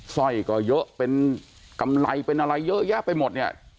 สร้อยก็เยอะเป็นกำไรเป็นอะไรเยอะแยะไปหมดเนี่ย